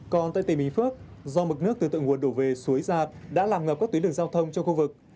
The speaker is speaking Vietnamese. còn tại tây bình phước do mực nước từ tượng nguồn đổ về suối giạt đã làm ngập các tuyến đường giao thông trong khu vực